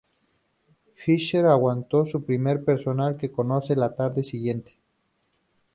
Fisher Aguantó su primer personal que conoce la tarde siguiente.